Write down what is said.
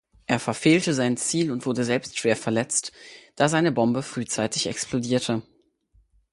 Er verfehlte sein Ziel und wurde selbst schwer verletzt, da seine Bombe frühzeitig explodierte.